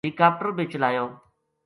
ہیلی کاپٹر بے چلایو